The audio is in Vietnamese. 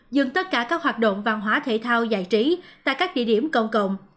dừng tất cả các hoạt động văn hóa thể thao giải trí tại các địa điểm công cộng